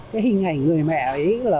cái hình ảnh người mẹ ấy là